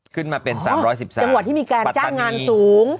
ขึ้นมาเป็น๓๑๓จังหวัดที่มีการจ้างงานสูง